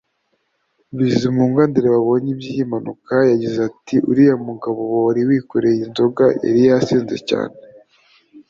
Bizimungu Andrew wabonye iby’iyi mpanuka yagize ati “ Uriya mugabo wari wikoreye inzoga yari yasinze cyane